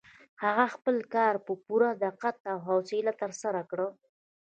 هغې خپل کار په پوره دقت او حوصله ترسره کړ.